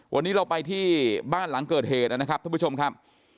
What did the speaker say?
วันนี้เราไปที่บ้านหลังเกิดเหตุนะครับท่านผู้ชมครับ